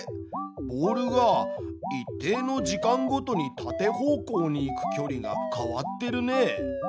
ボールが一定の時間ごとに縦方向に行く距離が変わってるね。